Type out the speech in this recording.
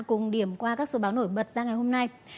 cùng điểm qua các số báo nổi bật ra ngày hôm nay